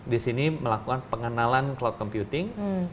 di sini melakukan pengenalan cloud computing